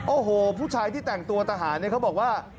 โอ้โหผู้ชายที่แต่งตัวทหารเนี่ยเขาบอกว่า